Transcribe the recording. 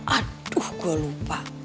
aduh gue lupa